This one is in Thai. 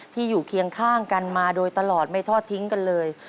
อยู่เคียงข้างกันมาโดยตลอดไม่ทอดทิ้งกันเลย